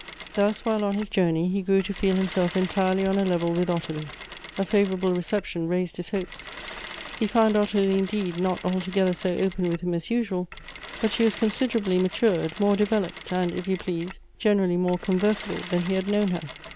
Thus, while on his journey, he grew to feel himself entirely on a level with Ottilie. A favorable reception raised his hopes. He found Ottilie indeed not altogether so open with him as usual, but she was considerably matured, more developed, and, if you please, generally more conversable than he ha3 known her.